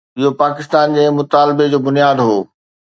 اهو پاڪستان جي مطالبي جو بنياد هو.